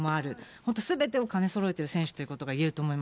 本当にすべてを兼ねそろえている選手ということが言えると思いま